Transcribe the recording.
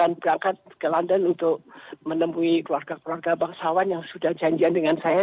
dan saya hari ini akan berangkat ke london untuk menemui keluarga keluarga bangsawan yang sudah janjian dengan saya